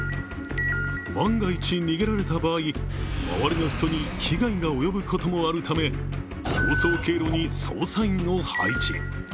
万が一逃げられた場合、周りの人に危害が及ぶこともあるため逃走経路に捜査員を配置。